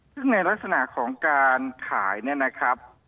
ซึ่งในลักษณะของการขายเนี่ยนะครับ